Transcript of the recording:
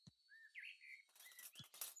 د ټولو دوست د یو دوست هم نه دی.